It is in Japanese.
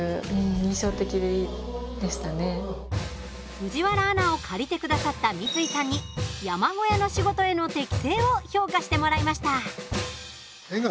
藤原アナを借りてくださった三井さんに、山小屋の仕事への適性を評価してもらいました。